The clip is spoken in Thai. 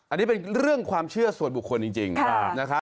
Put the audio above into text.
อันนี้เป็นเรื่องความเชื่อส่วนบุคคลจริงนะครับ